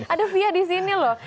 ada fia di sini loh